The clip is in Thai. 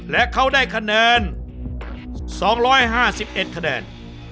และเขาได้คะแนน๒๕๑คะแนน